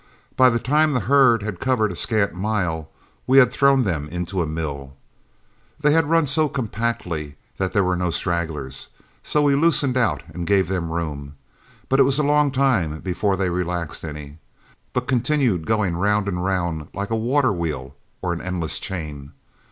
By the time the herd had covered a scant mile, we had thrown them into a mill. They had run so compactly that there were no stragglers, so we loosened out and gave them room; but it was a long time before they relaxed any, but continued going round and round like a water wheel or an endless chain.